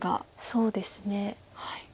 そうですね。